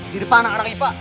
di depan anak anak ipa